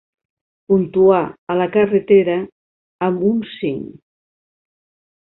Puntuar "A la carretera" amb un cinc.